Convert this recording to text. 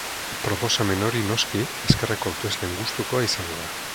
Proposamen hori noski ezkerreko hautesleen gustokoa izango da.